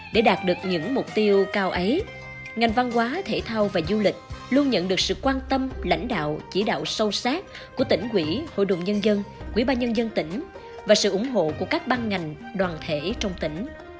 để đạt được những mục tiêu cao ấy ngành văn hóa thể thao và du lịch luôn nhận được sự quan tâm lãnh đạo chỉ đạo sâu sát của tỉnh quỹ hội đồng nhân dân quỹ ba nhân dân tỉnh và sự ủng hộ của các ban ngành đoàn thể trong tỉnh